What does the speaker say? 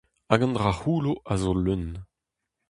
Hag an dra c'houllo a zo leun.